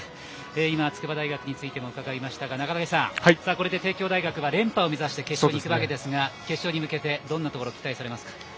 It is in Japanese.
今、筑波大学についても伺いましたが、これで帝京大学は連覇を目指して決勝ですが決勝に向けどんなところを期待されますか？